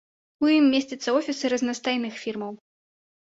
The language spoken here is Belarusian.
У ім месцяцца офісы разнастайных фірмаў.